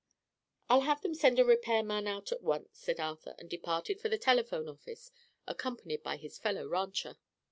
"I'll have them send a repair man out at once," said Arthur, and departed for the telephone office, accompanied by his fellow rancher.